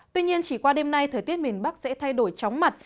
tuy nhiên chỉ qua đêm nay thời tiết miền bắc sẽ thay đổi chóng mặt